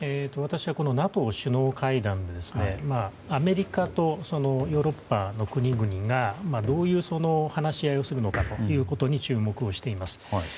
私はＮＡＴＯ首脳会議でアメリカとヨーロッパの国々がどういう話し合いをするのかということに注目をしています。